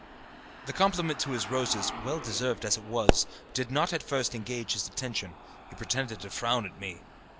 The compliment to his roses, well deserved as it was, did not at first engage his attention. He pretended to frown at me.